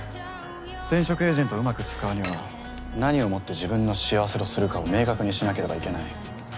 転職エージェントをうまく使うには何をもって自分の幸せとするかを明確にしなければいけない。